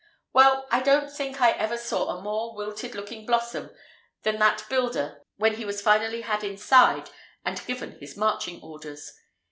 "Well, I don't think I ever saw a more wilted looking blossom than that builder when he was finally had inside and given his marching orders.